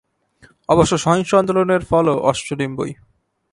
অবশ্য সহিংস আন্দোলনের ফলও অশ্বডিম্বই।